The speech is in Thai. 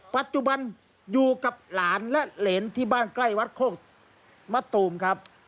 ปัจจุบันอยู่กับหลานและเหรนที่บ้านใกล้วัดโคกมะตูมครับ